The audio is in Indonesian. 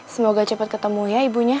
semoga cepat ketemu ya ibunya